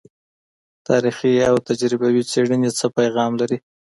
تاریخي او تجربوي څیړنې څه پیغام لري؟